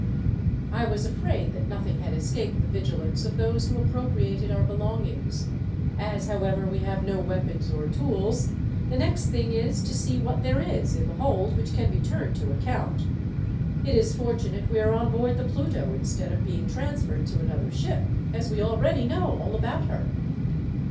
"I was afraid that nothing had escaped the vigilance of those who appropriated our belongings. As, however, we have no weapons or tools, the next thing is to see what there is, in the hold, which can be turned to account. It is fortunate we are on board the Pluto, instead of being transferred to another ship, as we already know all about her.